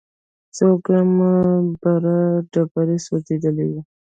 څو ګامه بره ډبرې سوځېدلې وې.